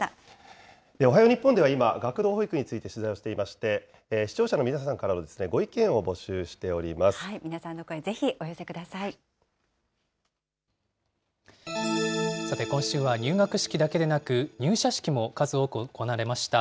おはよう日本では今、学童保育について取材をしていまして、視聴者の皆さんからのご意見を募皆さんの声、ぜひお寄せくださて今週は入学式だけでなく、入社式も数多く行われました。